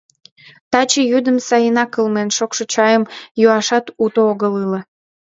Таче йӱдым сайынак кылмен, шокшо чайым йӱашат уто огыл ыле.